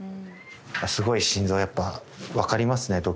すごい心臓やっぱ分かりますね。